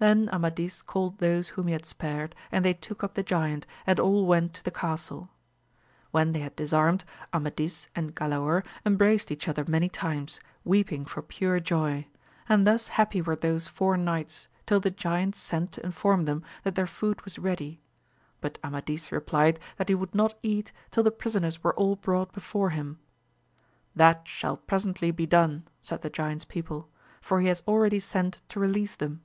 Then Amadis called those whom he had spared and they took up the giant, and all went to the castle. When they had disarmed, Amadis and Galaor em , braced each other many times, weeping for pure joy, and thus happy were those four knights till the giant sent to inform them that their food was ready ; but Amadis replied that he would not eat till the prisoners were all brought before him. That shall presently be done, said the giant's people, for he has already sent to release them.